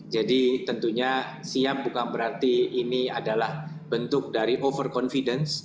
jadi tentunya siap bukan berarti ini adalah bentuk dari over confidence